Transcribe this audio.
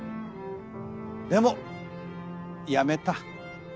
でもやめた。